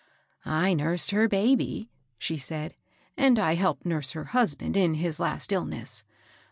"I nursed her baby," she said, "and I helped nurse her husband in his last illness.